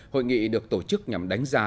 hội nghị được tổ chức nhằm đánh giá